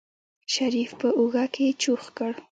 شريف په اوږه کې چوخ کړ.